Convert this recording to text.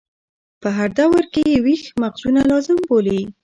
په هر دور کې یې ویښ مغزونه لازم بولي.